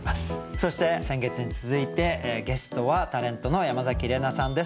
そして先月に続いてゲストはタレントの山崎怜奈さんです。